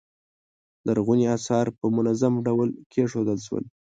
لرغوني اثار په منظم ډول کیښودل شول.